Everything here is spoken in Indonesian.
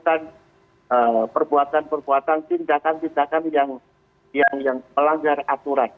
melakukan perbuatan perbuatan tindakan tindakan yang melanggar aturan